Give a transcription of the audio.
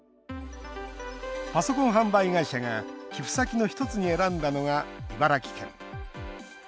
パソコン販売会社が寄付先の一つに選んだのが茨城県。